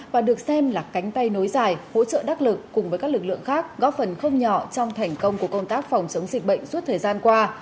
và được xem là cánh tay nối dài hỗ trợ đắc lực cùng với các lực lượng khác góp phần không nhỏ trong thành công của công tác phòng chống dịch bệnh suốt thời gian qua